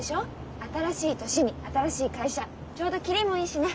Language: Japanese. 新しい年に新しい会社ちょうど切りもいいしね。